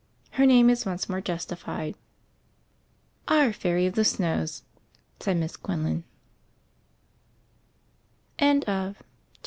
Her name is once more justified." "Our Fairy of the Snows," said Miss Quinlan.